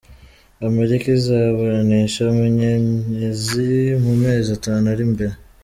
Amerika izaburanisha Munyenyezi mu mezi atanu ari imbere